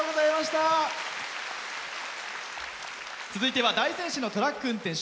続いては大仙市のトラック運転手。